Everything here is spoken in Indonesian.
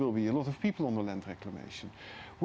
ada banyak orang yang akan menggunakan reklamasi tanah